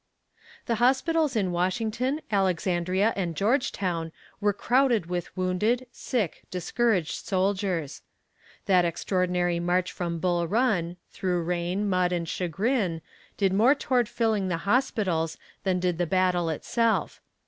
The hospitals in Washington, Alexandria and Georgetown were crowded with wounded, sick, discouraged soldiers. That extraordinary march from Bull Run, through rain, mud, and chagrin, did more toward filling the hospitals than did the battle itself.